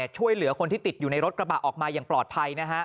ช่วยเหลือคนที่ติดอยู่ในรถกระบะออกมาอย่างปลอดภัย